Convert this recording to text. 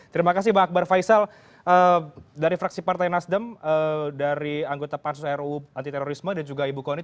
terima kasih bang akbar faisal dari fraksi partai nasdem dari anggota pansus ruu antiterorisme dan juga ibu kony